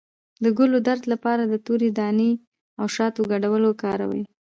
د ګلو درد لپاره د تورې دانې او شاتو ګډول وکاروئ